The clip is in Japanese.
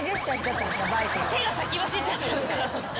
手が先走っちゃったのか。